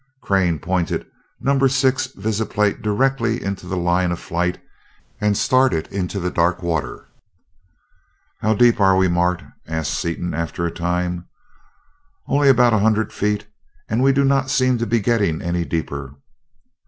Crane pointed number six visiplate directly into the line of flight and started into the dark water. "Mow deep are we, Mart?" asked Seaton after a time. "Only about a hundred feet, and we do not seem to be getting any deeper."